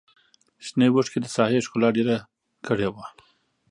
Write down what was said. شنې وښکې د ساحې ښکلا ډېره کړې وه.